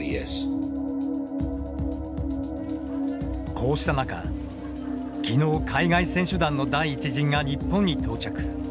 こうした中、きのう海外選手団の第１陣が日本に到着。